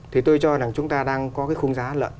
thì tôi cho rằng chúng ta đang có cái khung giá lợn